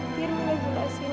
tidak mila jangan kesini ma